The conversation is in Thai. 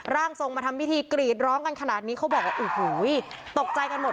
ร่างทรงมาทำพิธีกรีดร้องกันขนาดนี้เขาบอกว่าโอ้โหตกใจกันหมด